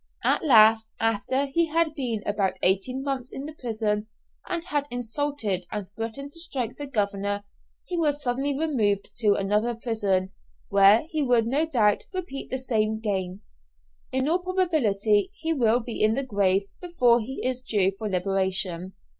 At last, after he had been about eighteen months in the prison, and had insulted and threatened to strike the governor, he was suddenly removed to another prison, where he would no doubt repeat the same game. In all probability he will be in the grave before he is due for liberation.